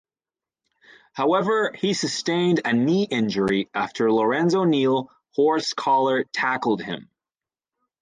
However, he sustained a knee injury after Lorenzo Neal horse-collar tackled him.